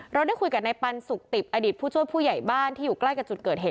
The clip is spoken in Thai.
เราได้คุยกับนายปันสุกติบอดีตผู้ช่วยผู้ใหญ่บ้านที่อยู่ใกล้กับจุดเกิดเหตุ